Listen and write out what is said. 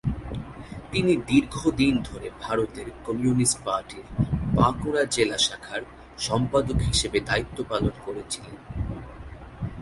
তিনি দীর্ঘদিন ধরে ভারতের কমিউনিস্ট পার্টির বাঁকুড়া জেলা শাখার সম্পাদক হিসেবে দায়িত্ব পালন করেছিলেন।